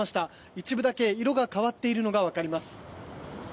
一部だけ色が変わっているのがわかります。